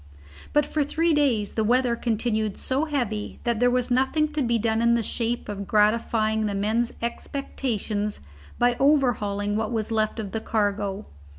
But for three days the weather continued so heavy that there was nothing to be done in the shape of gratifying the men's expectations by overhauling what was left of the cargo.